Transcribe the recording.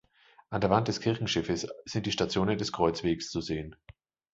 An der Wand des Kirchenschiffes sind die Stationen des Kreuzwegs zu sehen.